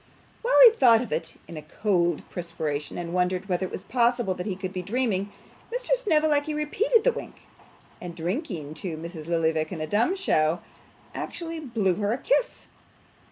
While he thought of it in a cold perspiration, and wondered whether it was possible that he could be dreaming, Mr. Snevellicci repeated the wink, and drinking to Mrs. Lillyvick in dumb show, actually blew her a kiss!